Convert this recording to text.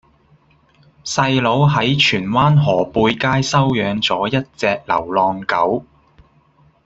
細佬喺荃灣河背街收養左一隻流浪狗